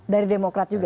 dari demokrat juga